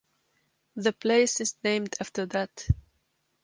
The place is named after that.